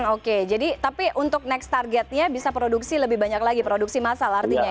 oke jadi tapi untuk next targetnya bisa produksi lebih banyak lagi produksi massal artinya ya